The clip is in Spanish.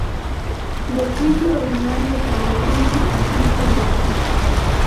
Del juicio ordinario sobre crimen o simple delito.